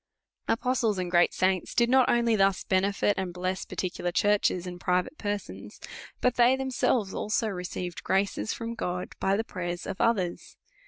Apostles and great saints did not only thus benefit and bless particular churches, and private persons ; but they themselves also received graces from God by the prayers of others.